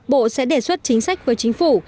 bộ sẽ đề xuất chính sách với chính phủ